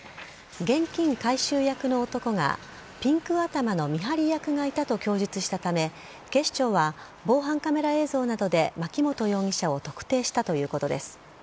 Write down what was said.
現金回収役の男がピンク頭の見張り役がいたと供述したため警視庁は防犯カメラ映像などで槇本容疑者を特定したということです。